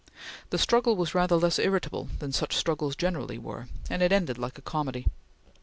The struggle was rather less irritable than such struggles generally were, and it ended like a comedy.